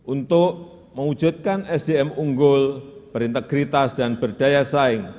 untuk mewujudkan sdm unggul berintegritas dan berdaya saing